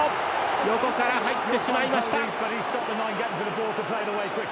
横から入ってしまいました。